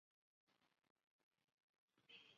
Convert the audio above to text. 现为江苏省文物保护单位。